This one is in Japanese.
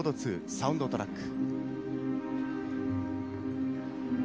サウンドトラック。